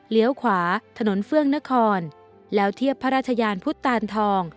ขวาถนนเฟื่องนครแล้วเทียบพระราชยานพุทธตานทอง